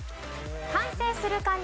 完成する漢字